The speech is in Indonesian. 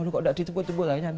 kok tidak ditempat tempat